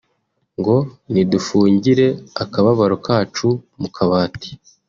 ngo nidufungire akababaro kacu mu kabati